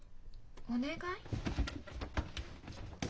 お願い？